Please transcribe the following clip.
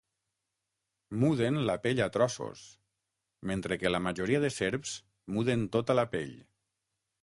Muden la pell a trossos, mentre que la majoria de serps muden tota la pell.